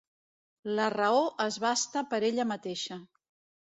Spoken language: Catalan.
La raó es basta per ella mateixa.